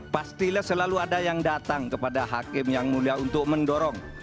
pastilah selalu ada yang datang kepada hakim yang mulia untuk mendorong